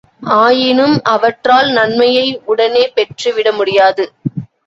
ஆயினும் அவற்றால் நன்மையை உடனே பெற்று விடமுடியாது.